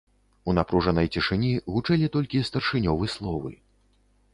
У напружанай цішыні гучэлі толькі старшынёвы словы.